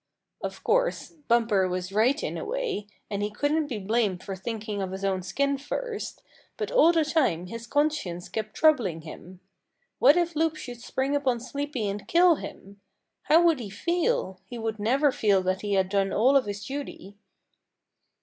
Of course, Bumper was right in a way, and he couldn't be blamed for thinking of his own skin first; but all the time his conscience kept troubling him. What if Loup should spring upon Sleepy and kill him! How would he feel! He would never feel that he had done all of his duty.